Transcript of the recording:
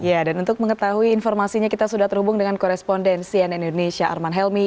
ya dan untuk mengetahui informasinya kita sudah terhubung dengan korespondensi nn indonesia arman helmi